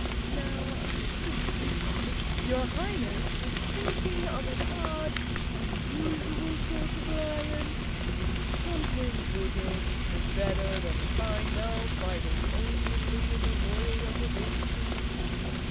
"Now I presume your Highness was thinking of an odd, unusual sort of lion; something big¬ ger and better than the kind now fighting amiably in the royal reservation?"